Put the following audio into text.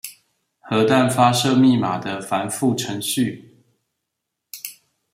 核彈發射密碼的繁複程序